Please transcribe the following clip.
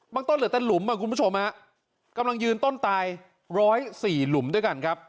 ต้นเหลือแต่หลุมอ่ะคุณผู้ชมฮะกำลังยืนต้นตาย๑๐๔หลุมด้วยกันครับ